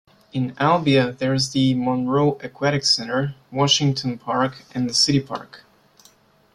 In Albia, there's the "Monroe Aquatic Center", "Washington Park", and the "City Park".